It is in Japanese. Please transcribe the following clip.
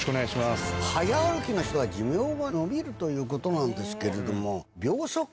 早歩きの人は寿命が延びるということなんですけれども。